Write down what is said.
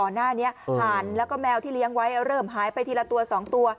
หน้านี้หานแล้วก็แมวที่เลี้ยงไว้เริ่มหายไปทีละตัว๒ตัว